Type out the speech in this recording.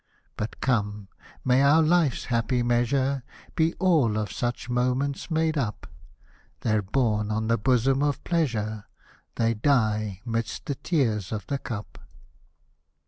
But come, — may our life's happy measure Be all of such moments made up ; They're born on the bosom of Pleasure, They die 'midst the tears of the cup.